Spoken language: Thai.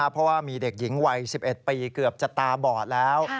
เพราะว่ามีเด็กหญิงวัย๑๑ปีเกือบจะตาบอดแล้ว